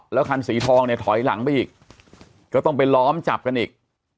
แล้วคันสีทองเนี่ยถอยหลังไปอีกก็ต้องไปล้อมจับกันอีก